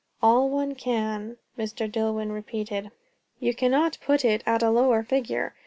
"All one can," Mr. Dillwyn repeated. "You cannot put it at a lower figure.